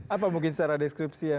apa mungkin secara deskripsi yang